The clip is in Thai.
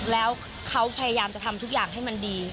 แล้วเขาพยายามจะทำทุกอย่างให้มันดี